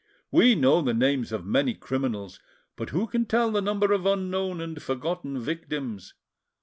We know the names of many criminals, but who can tell the number of unknown and forgotten victims?